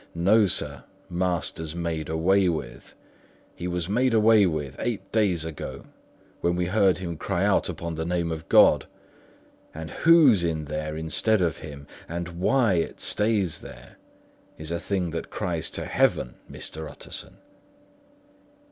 No, sir; master's made away with; he was made away with eight days ago, when we heard him cry out upon the name of God; and who's in there instead of him, and why it stays there, is a thing that cries to Heaven, Mr. Utterson!"